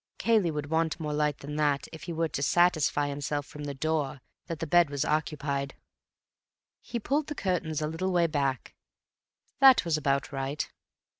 Cayley would want more light than that if he were to satisfy himself from the door that the bed was occupied. He pulled the curtains a little way back. That was about right.